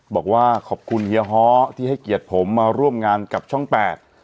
บอกว่าขอบคุณเฮียฮ้อที่ให้เกียรติผมมาร่วมงานกับช่องแปด